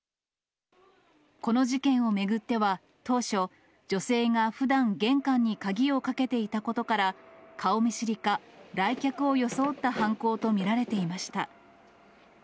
この事件を巡っては、当初、女性がふだん玄関に鍵をかけていたことから、顔見知りか、来客を装った犯行と見られていました。